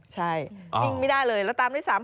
ใช่นิ่งไม่ได้เลยแล้วตามได้๓คน